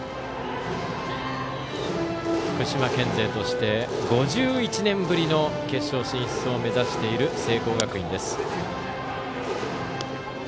福島県勢として５１年ぶりの決勝進出を目指している聖光学院です。